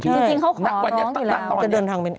จริงเขาขอร้องอยู่แล้ว